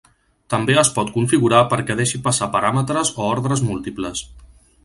També es pot configurar perquè deixi passar paràmetres o ordres múltiples.